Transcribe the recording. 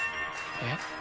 えっ？